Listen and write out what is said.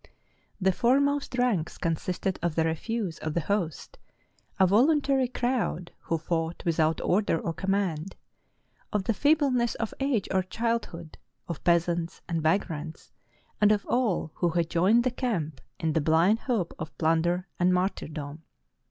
The foremost ranks consisted of the refuse of the host, a voluntary crowd who fought without order or command; of the feebleness of age or childhood, of peas ants and vagrants, and of all who had joined the camp in the blind hope of plunder and martyrdom.